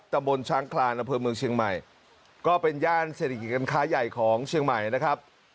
ตำบลช้างคลานอำเภอเมืองเชียงใหม่ก็เป็นย่านเศรษฐกิจการค้าใหญ่ของเชียงใหม่นะครับ